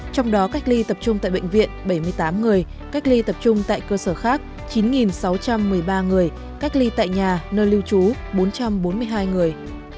trong đó cách ly tập trung tại bệnh viện bảy mươi tám người cách ly tập trung tại cơ sở khác chín sáu trăm một mươi ba người cách ly tại nhà nơi lưu trú bốn trăm bốn mươi hai người